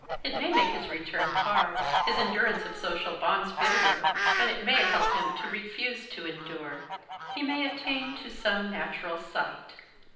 It may make his return hard, his endurance of social bonds bitterer, but it may help him to refuse to endure. He may attain to some na tural sight.